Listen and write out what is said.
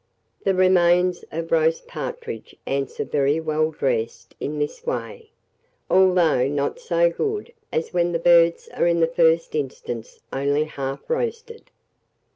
The remains of roast partridge answer very well dressed in this way, although not so good as when the birds are in the first instance only half roasted.